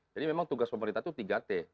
memang tugas pemerintah itu tiga t